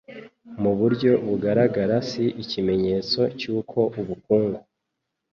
mu buryo bugaragara si ikimenyetso cy'uko ubukungu